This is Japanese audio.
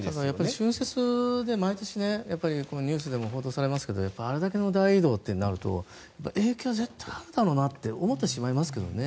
春節で毎年ニュースでも報道されますがあれだけの大移動となると影響は絶対あるだろうなと思ってしまいますけどね。